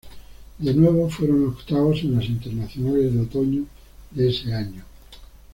De nuevo fueron octavos en los internacionales de otoño de ese año.